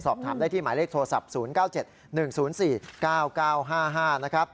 สอบถามได้ที่หมายเลขโทรศัพท์๐๙๗๑๐๔๙๙๕๕นะครับ